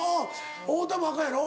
太田もアカンやろ？